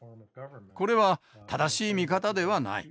これは正しい見方ではない。